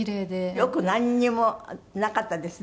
よくなんにもなかったですね